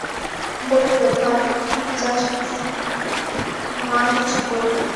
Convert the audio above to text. বলিল, কাল তুই ঠিক যাস পিসি, মা কিছু বলবে না।